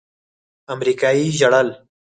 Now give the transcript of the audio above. امريکايي ژړل.